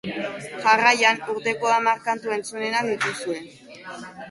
Jarraian, urteko hamar kantu entzunenak dituzue.